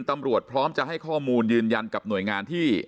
พร้อมจะให้ข้อมูลยืนยันกับหน่วยงานที่